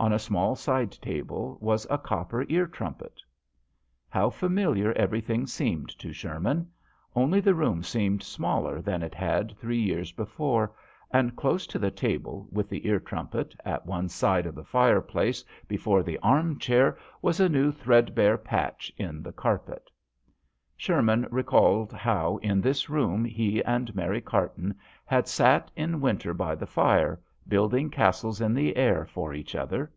On a small side table was a copper ear trumpet. How familiar everything seemed to Sherman. Only the room seemed smaller than it did three years before, and close to the table with the ear trumpet,, at one side of the fireplace before the arm chair, was a new thread bare patch in the carpet. Sherman recalled how in this room he and Mary Carton had. sat in winter by the fire, building castles in the air for each other.